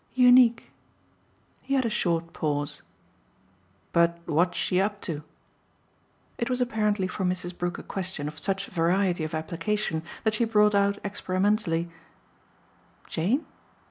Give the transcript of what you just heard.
"Unique." He had a short pause. "But what's she up to?" It was apparently for Mrs. Brook a question of such variety of application that she brought out experimentally: "Jane?"